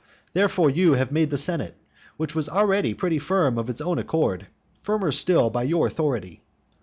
Therefore you have made the senate, which was already pretty firm of its own accord, firmer still by your authority.